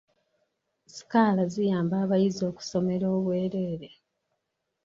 Sikaala ziyamba abayizi okusomera obwereere.